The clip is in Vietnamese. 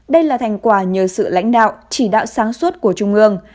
đây là thành quả nhờ sự lãnh đạo chỉ đạo sáng suốt của trung ương